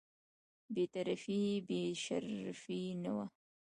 بې طرفي یې بې شرفي نه وه.